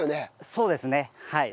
そうですねはい。